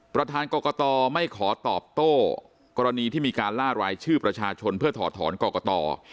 ประธานกรกตไม่ขอตอบโต้กรณีที่มีการล่ารายชื่อประชาชนเพื่อถอดถอนกรกต